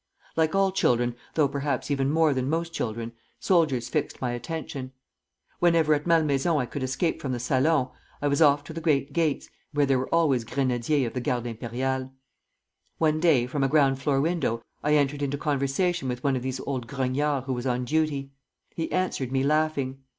Like all children, though perhaps even more than most children, soldiers fixed my attention. Whenever at Malmaison I could escape from the salon, I was off to the great gates, where there were always grenadiers of the Garde Impériale. One day, from a ground floor window I entered into conversation with one of these old grognards who was on duty. He answered me laughing.